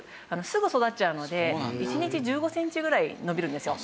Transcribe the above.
すぐ育っちゃうので１日１５センチぐらい伸びるんですよ。